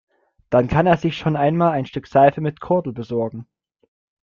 Dann kann er sich schon einmal ein Stück Seife mit Kordel besorgen.